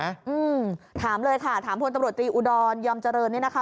อืมถามเลยค่ะถามพลตำรวจตรีอุดรยอมเจริญนี่นะคะ